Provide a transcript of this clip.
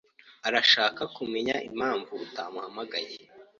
arashaka kumenya impamvu utamuhamagaye.